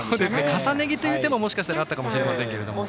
重ね着という手ももしかしたらあったかもしれませんが。